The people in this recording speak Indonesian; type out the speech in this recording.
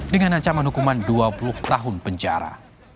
dengan ancaman hukuman dua puluh tahun penjara